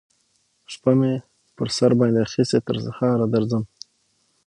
شپه می پر سر باندی اخیستې تر سهاره درځم